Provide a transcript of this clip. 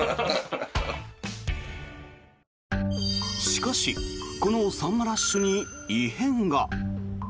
しかしこのサンマラッシュに異変が。